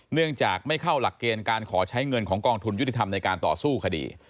เนื่องจากไม่เข้าหลักเกณฑ์การขอใช้เงินของกองทุนยุติธรรมในการต่อสู้คดี